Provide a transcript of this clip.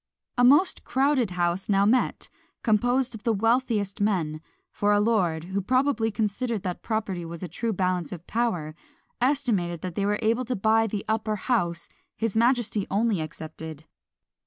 A most crowded house now met, composed of the wealthiest men; for a lord, who probably considered that property was the true balance of power, estimated that they were able to buy the upper house, his majesty only excepted!